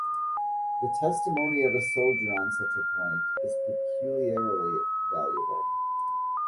The testimony of a soldier on such a point is peculiarly valuable.